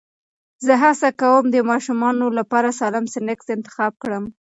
زه هڅه کوم د ماشومانو لپاره سالم سنکس انتخاب کړم.